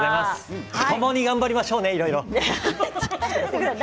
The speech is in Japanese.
ともに頑張りましょうねいろいろ。